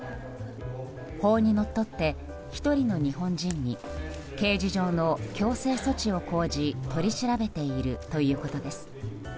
法にのっとって１人の日本人に刑事上の強制措置を講じ取り調べているということです。